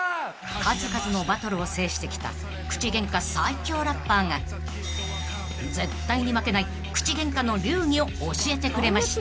［数々のバトルを制してきた口ゲンカ最強ラッパーが絶対に負けない口ゲンカの流儀を教えてくれました］